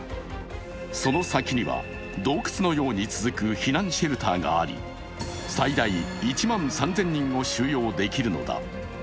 その先には、洞窟のように続く避難シェルターがあり最大１万３０００人を収容できるのだ。